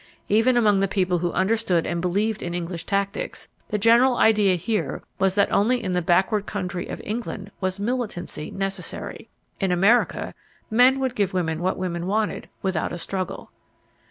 Even among the people who understood and believed in English tactics, the general idea here was that only in the backward country of England was "militancy" necessary. In America, men would give women what women wanted without a struggle.